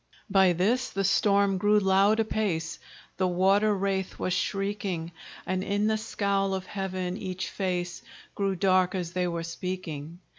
By this the storm grew loud apace, The water wraith was shrieking; And in the scowl of heaven each face Grew dark as they were speaking.